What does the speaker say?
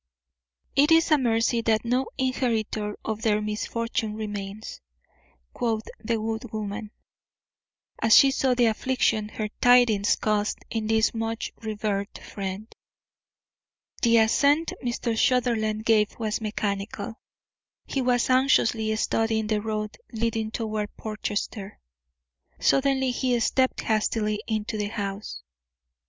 "It is a mercy that no inheritor of their misfortune remains," quoth the good woman, as she saw the affliction her tidings caused in this much revered friend. The assent Mr. Sutherland gave was mechanical. He was anxiously studying the road leading toward Portchester. Suddenly he stepped hastily into the house.